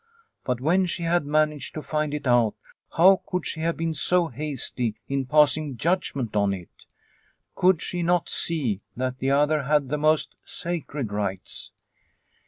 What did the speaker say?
But when she had managed to find it out, how could she have been so hasty in passing judgment on it ? Could she not see that the other had the most sacred rights